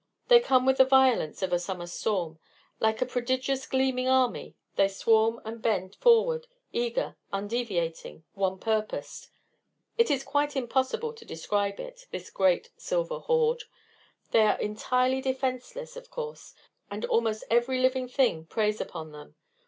They come with the violence of a summer storm; like a prodigious gleaming army they swarm and bend forward, eager, undeviating, one purposed. It's quite impossible to describe it this great silver horde. They are entirely defenceless, of course, and almost every living thing preys upon them.